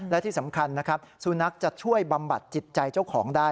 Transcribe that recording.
และที่สำคัญนะครับสุนัขจะช่วยบำบัดจิตใจเจ้าของได้